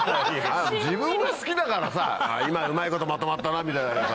自分が好きだから今うまいことまとまったなみたいな。